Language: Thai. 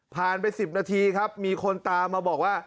ไป๑๐นาทีครับมีคนตามมาบอกว่า